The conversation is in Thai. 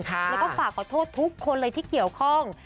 แล้วก็ฝากขอโทษทุกคนเลยที่เกี่ยวข้อง